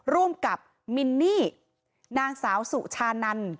ร่วมกับมินนี่นางสาวสุชานัน